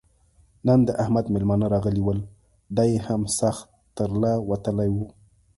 نن د احمد مېلمانه راغلي ول؛ دی هم سخت تر له وتلی وو.